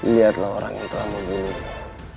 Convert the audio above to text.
lihatlah orang yang telah membunuhmu